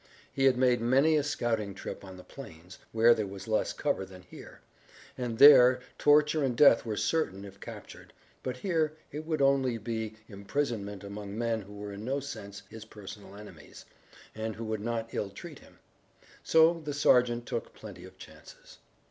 He had made many a scouting trip on the plains, where there was less cover than here, and there torture and death were certain if captured, but here it would only be imprisonment among men who were in no sense his personal enemies, and who would not ill treat him. So the sergeant took plenty of chances.